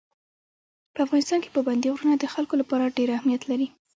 په افغانستان کې پابندي غرونه د خلکو لپاره ډېر اهمیت لري.